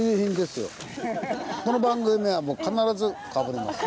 この番組は必ずかぶります。